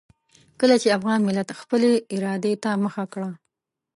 کله چې افغان ملت خپلې ارادې ته مخه کړه.